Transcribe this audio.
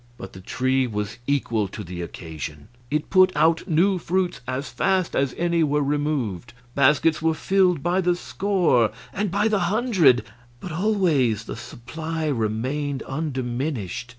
But the tree was equal to the occasion; it put out new fruits as fast as any were removed; baskets were filled by the score and by the hundred, but always the supply remained undiminished.